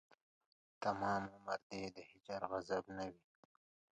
تمام عمر دې د هجر غضب نه وي